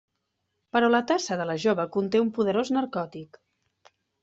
Però la tassa de la jove conté un poderós narcòtic.